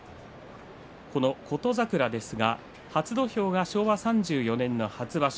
この琴櫻ですが初土俵が昭和３４年の初場所。